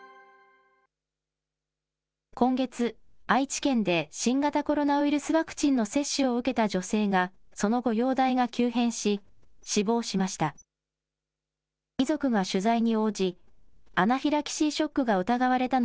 今月、愛知県で新型コロナウイルスワクチンの接種を受けた女性が、その後、容体が急変し、死亡しました。